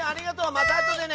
またあとでね！